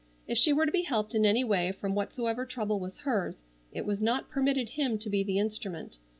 If she were to be helped in any way from whatsoever trouble was hers, it was not permitted him to be the instrument.